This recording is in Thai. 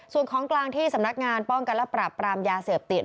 ส่วนของกลางที่สำนักงานป้องกันและปรับปรามยาเสพติด